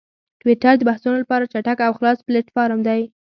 ټویټر د بحثونو لپاره چټک او خلاص پلیټفارم دی.